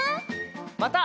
また。